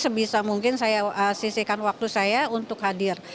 sebisa mungkin saya sisihkan waktu saya untuk hadir